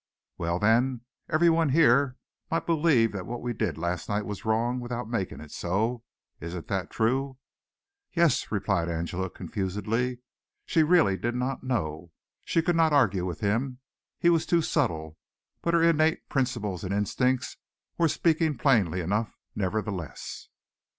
"Well, then, everyone here might believe that what we did last night was wrong without making it so. Isn't that true?" "Yes," replied Angela confusedly. She really did not know. She could not argue with him. He was too subtle, but her innate principles and instincts were speaking plainly enough, nevertheless.